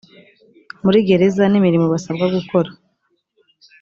muri gereza n imirimo basabwa gukora